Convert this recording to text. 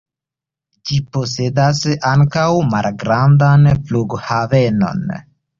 Ĝi posedas ankaŭ malgrandan flughavenon.